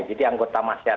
jadi anggota masyarakat